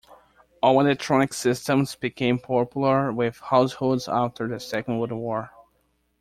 All-electronic systems became popular with households after the Second World War.